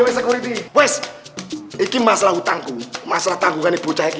wess ini masalah hutangku masalah tanggungan ibu saya